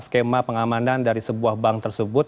skema pengamanan dari sebuah bank tersebut